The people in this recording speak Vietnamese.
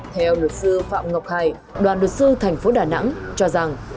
theo luật sư phạm ngọc hải đoàn luật sư thành phố đà nẵng cho rằng